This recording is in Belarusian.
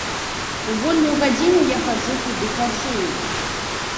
У вольную гадзіну я хаджу куды хачу.